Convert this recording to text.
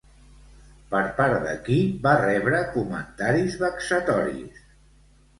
Per part de qui va rebre comentaris vexatoris?